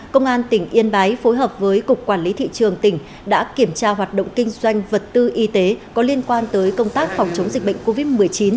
công an tỉnh yên bái phối hợp với cục quản lý thị trường tỉnh đã kiểm tra hoạt động kinh doanh vật tư y tế có liên quan tới công tác phòng chống dịch bệnh covid một mươi chín